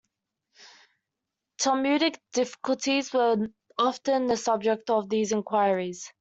Talmudic difficulties were often the subject of these inquiries.